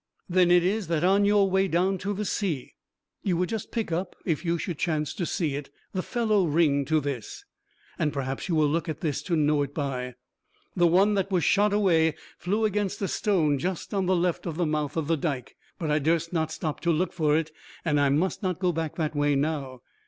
Then it is that on your way down to the sea, you would just pick up (if you should chance to see it) the fellow ring to this, and perhaps you will look at this to know it by. The one that was shot away flew against a stone just on the left of the mouth of the Dike, but I durst not stop to look for it, and I must not go back that way now.